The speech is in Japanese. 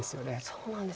そうなんですね。